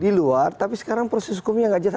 di luar tapi sekarang proses hukumnya tidak jelas